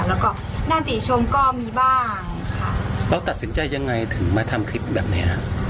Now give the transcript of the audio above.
แล้วก็น่าติชมก็มีบ้างค่ะแล้วตัดสินใจยังไงถึงมาทำคลิปแบบเนี้ยฮะ